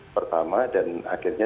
pertama dan akhirnya